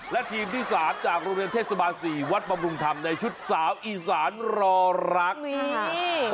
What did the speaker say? และทีมที่๓จากโรงเรียนเทศบาล๔วัดบำรุงธรรมในชุดสาวอีสานรอรักนี่